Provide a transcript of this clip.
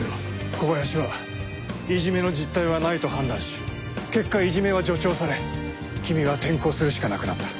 小林はいじめの実態はないと判断し結果いじめは助長され君は転校するしかなくなった。